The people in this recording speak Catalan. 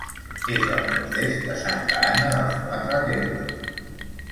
És al nord-est de Santa Anna dels Quatre Termes.